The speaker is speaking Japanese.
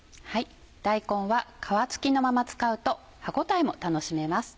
大根は皮付きのまま使うと歯応えも楽しめます。